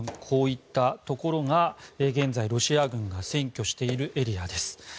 こういったところが現在、ロシア軍が占拠しているエリアです。